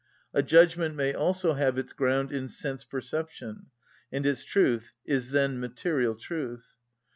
A judgment may also have its ground in sense‐perception, and its truth is then material truth.